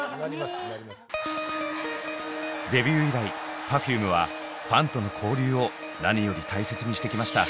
デビュー以来Ｐｅｒｆｕｍｅはファンとの交流を何より大切にしてきました。